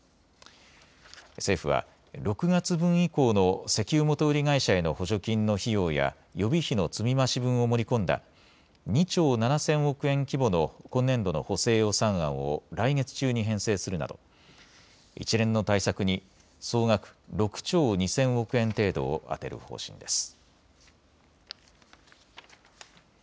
政府は６月分以降の石油元売り会社への補助金の費用や予備費の積み増し分を盛り込んだ２兆７０００億円規模の今年度の補正予算案を来月中に編成するなど一連の対策に総額６兆２０００億円程度を充てる方針です。